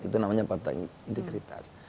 itu namanya fakta integritas